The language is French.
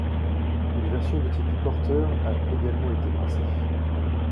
Une version de type porter a également été brassée.